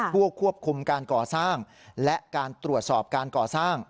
ควบคุมการก่อสร้างและการตรวจสอบการก่อสร้าง